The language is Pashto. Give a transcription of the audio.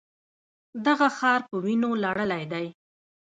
دغه ښار په وینو لړلی دی.